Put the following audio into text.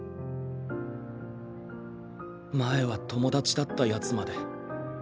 前は友達だったやつまで。